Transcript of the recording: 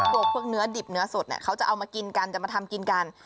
พวกเนื้อดิบเนื้อสดเขาจะเอามากินกันจะมาทำกินกัน